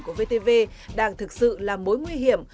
các trang giả của vtv đang thực sự là mối nguy hiểm